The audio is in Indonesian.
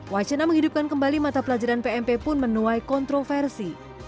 wacana menghidupkan kembali mata pelajaran pmp pun menuai kontroversi